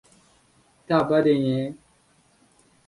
— Tavba deng!